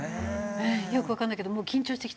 よくわかんないけどもう緊張してきた。